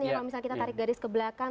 kalau misalnya kita tarik garis ke belakang